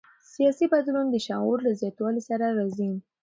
سیاسي بدلون د شعور له زیاتوالي سره راځي